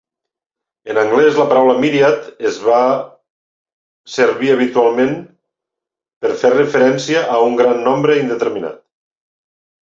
En anglès, la paraula "myriad" es va servir habitualment per fer referència a "un gran nombre indeterminat".